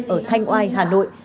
ở thanh oai hà nội